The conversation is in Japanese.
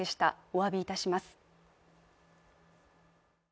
おわびいたします。